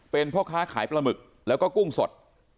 เป็นพ่อค้าขายปลาหมึกแล้วก็กุ้งสด